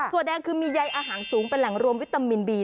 แดงคือมีใยอาหารสูงเป็นแหล่งรวมวิตามินบี